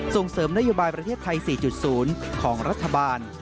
ส่งเสริมนโยบายประเทศไทย๔๐ของรัฐบาล